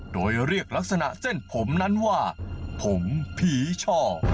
โดยเรียกลักษณะเส้นผมนั้นว่าผมผีช่อ